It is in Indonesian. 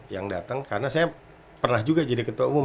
yang datang karena saya pernah juga jadi ketua umum